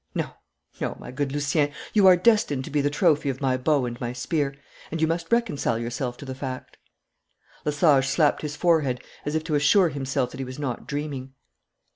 No, no, my good Lucien, you are destined to be the trophy of my bow and my spear, and you must reconcile yourself to the fact.' Lesage slapped his forehead as if to assure himself that he was not dreaming.